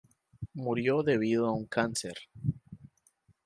Murió debido a un cáncer.